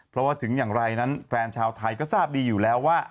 เพราะว่าถึงอย่างไรนั้นแฟนชาวไทยก็ทราบดีอยู่แล้วว่า